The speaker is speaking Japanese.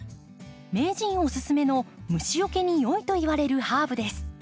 名人おすすめの虫よけによいといわれるハーブです。